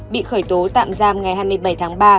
bị khởi tố tạm giam ngày hai mươi bảy tháng ba